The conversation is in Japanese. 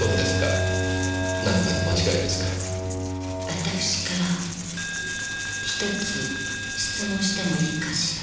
私から１つ質問してもいいかしら。